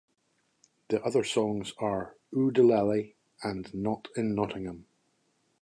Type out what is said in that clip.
The other songs are "Oo-De-Lally" and "Not In Nottingham".